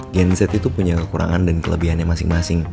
gen z itu punya kekurangan dan kelebihannya masing masing